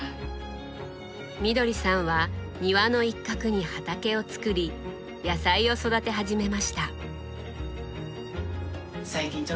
みどりさんは庭の一角に畑を作り野菜を育て始めました。